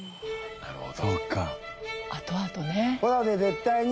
なるほど。